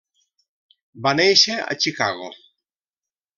Va néixer a Chicago.